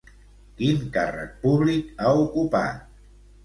Quin càrrec públic ha ocupat?